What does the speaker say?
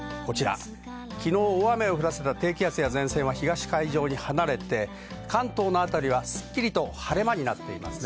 昨日、大雨を降らせた低気圧は東の海上に離れて、関東の辺りはすっきりと晴れ間になっています。